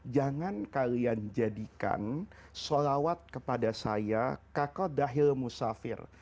jangan kalian jadikan sholawat kepada saya kakodahil musafir